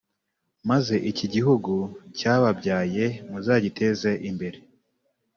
maze iki gihugu cyababyaye muzagiteze imbere